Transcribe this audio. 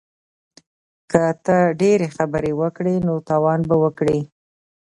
که ته ډیرې خبرې وکړې نو تاوان به وکړې